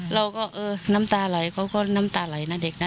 เราก็เออน้ำตาไหลเขาก็น้ำตาไหลนะเด็กนะ